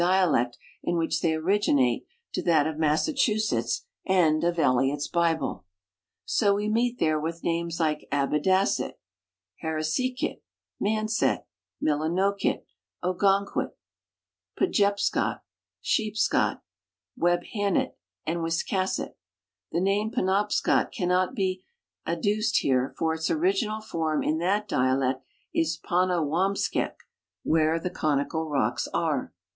dialect in which they originate to that of Massachusetts and of Eliot's Bible., So we meet there with names like Abadasset, Harriseekit, Manset, Millinoket, Ogunquit, Pejepscot (Sheepscot), AVebhannet, and Wiscasset. The name Penobscot cannot be ad duced here, for its original form in that dialect is Panawampskek, ''where the conical rocks ^re."